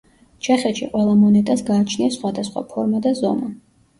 ჩეხეთში ყველა მონეტას გააჩნია სხვადასხვა ფორმა და ზომა.